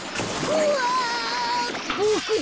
うわ！